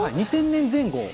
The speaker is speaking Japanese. ２０００年前後。